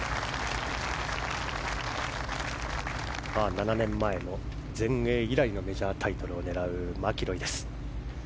７年前の全英以来のタイトルを狙うマキロイです。